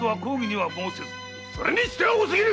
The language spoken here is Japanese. それにしては多すぎる‼